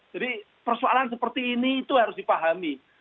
jadi persoalan seperti ini itu harus dipahami